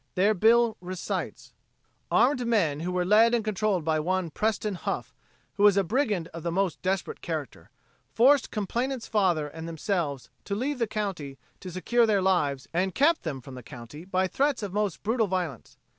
Their bill recites: "Armed men who were led and controlled by one Preston Huff, who was a brigand of the most desperate character, forced complainants' father and themselves to leave the county to secure their lives and kept them from the county by threats of most brutal violence.